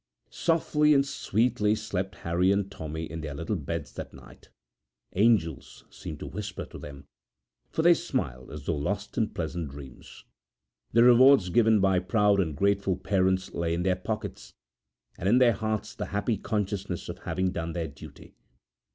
Softly and sweetly slept Harry and Tommy in their little beds that night. Angels seemed to whisper to them, for they smiled as though lost in pleasant dreams. The rewards given by proud and grateful parents lay in their pockets, and in their hearts the happy consciousness of having done their duty.